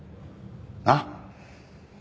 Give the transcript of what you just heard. なっ？